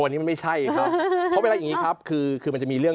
วันนี้มันไม่ใช่ครับเพราะเวลาอย่างนี้ครับคือคือมันจะมีเรื่อง